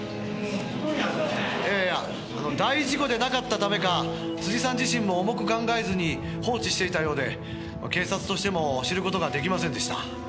「いやいや大事故でなかったためか辻さん自身も重く考えずに放置していたようで警察としても知る事が出来ませんでした」